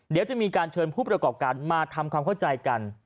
เดี๋ยวจะมีการเชิญผู้ประกอบการมาทำความเข้าใจกัน